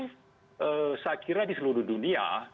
saya kira di seluruh dunia